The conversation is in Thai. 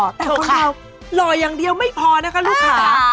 แต่คนเราหล่ออย่างเดียวไม่พอนะคะลูกค้า